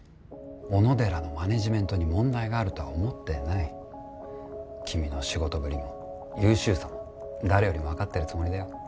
小野寺のマネジメントに問題があるとは思ってない君の仕事ぶりも優秀さも誰よりも分かってるつもりだよ